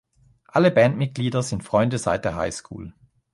Alle Bandmitglieder sind Freunde seit der Highschool.